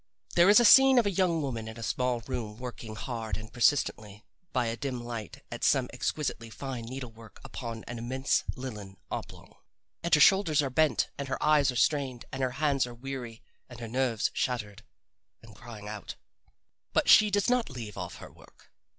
There is a scene of a young woman in a small room working hard and persistently by a dim light at some exquisitely fine needlework upon an immense linen oblong. And her shoulders are bent and her eyes are strained and her hands are weary and her nerves shattered and crying out. But she does not leave off her work.